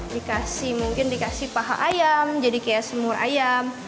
dikasih mungkin dikasih paha ayam jadi kayak semur ayam